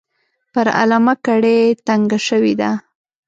پر علامه کړۍ تنګه شوې ده.